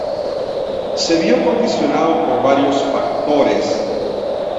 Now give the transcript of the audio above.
Se vio condicionado por varios factores.